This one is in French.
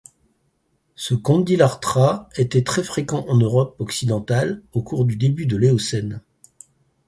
Ce condylarthra était très fréquent en Europe occidentale au cours du début de l'Éocène.